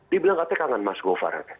dia bilang katanya kangen mas govar ya